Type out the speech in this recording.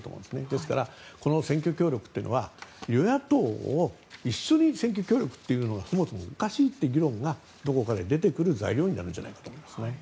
ですから、この選挙協力は与野党が一緒に選挙協力というのがそもそもおかしいという議論が出てくる材料になるんじゃないかと思います。